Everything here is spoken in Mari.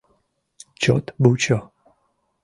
Чот вучо!